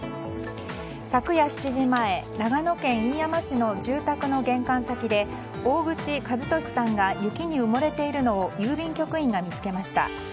昨夜７時前長野県飯山市の住宅の玄関先で大口和俊さんが雪に埋もれているのを郵便局員が見つけました。